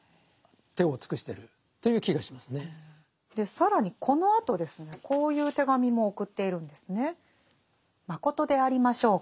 更にこのあとですねこういう手紙も送っているんですね。